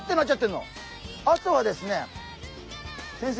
あとはですね先生